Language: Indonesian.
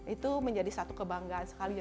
itu menjadi satu kebanggaan sekali